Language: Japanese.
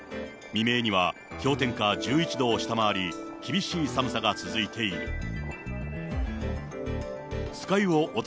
未明には氷点下１１度を下回り、厳しい寒さが続いている。